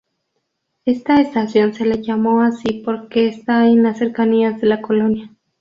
Esta estación se le llamo así porque está en las cercanías de la Col.